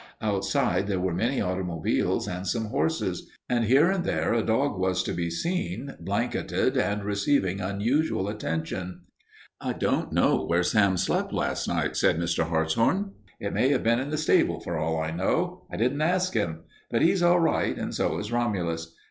Outside there were many automobiles and some horses, and here and there a dog was to be seen, blanketed and receiving unusual attention. "I don't know where Sam slept last night," said Mr. Hartshorn. "It may have been in the stable for all I know. I didn't ask him. But he's all right, and so is Romulus.